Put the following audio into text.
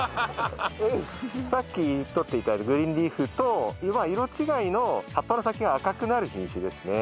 さっきとって頂いたグリーンリーフと色違いの葉っぱの先が赤くなる品種ですね。